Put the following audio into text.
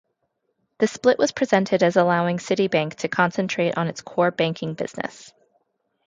The split was presented as allowing Citibank to concentrate on its core banking business.